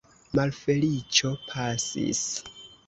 Malfeliĉo pasis!